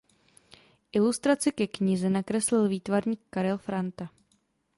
Ilustrace ke knize nakreslil výtvarník Karel Franta.